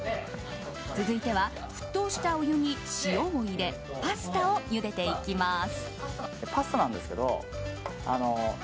続いては沸騰したお湯に塩を入れパスタをゆでていきます。